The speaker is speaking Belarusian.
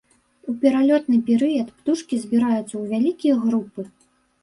У пералётны перыяд птушкі збіраюцца ў вялікія групы.